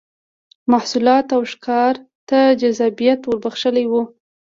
محصولاتو او ښکار ته جذابیت ور بخښلی و